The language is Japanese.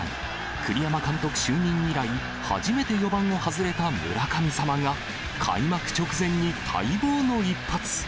栗山監督就任以来、初めて４番を外れた村神様が、開幕直前に待望の一発。